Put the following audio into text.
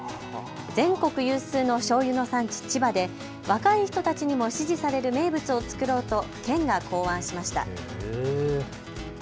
全国有数のしょうゆの産地、千葉で若い人たちにも支持される名物を作ろうと県が考案しました。